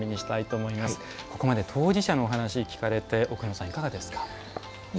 ここまで当事者の話を聞かれて奥野さん、いかがですか？